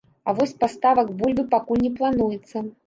А вось паставак бульбы пакуль не плануецца.